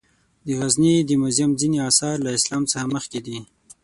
د غزني د موزیم ځینې آثار له اسلام څخه مخکې دي.